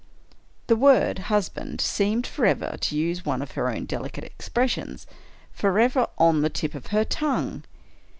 The word " husband " seemed forever — to use one of her own delicate expressions — forever " on the tip of her tongue."